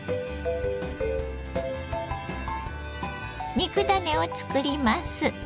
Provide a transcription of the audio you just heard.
肉ダネを作ります。